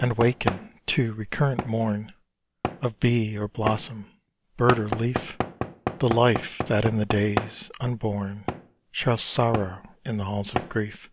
And waken to recurrent morn Of bee or blossom, bird or leaf, The life that in the days unborn Shall sorrow in the halls of Grief.